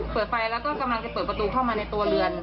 เปิดไฟแล้วก็กำลังจะเปิดประตูเข้ามาในตัวเรือน